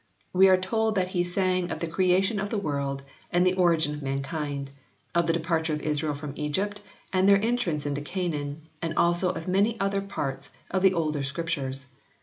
We are told that he sang of the creation of the world and the origin of mankind, of the departure of Israel from Egypt and their entrance into Canaan, and also of many other parts of the older Scriptures.